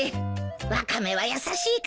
ワカメは優しいから。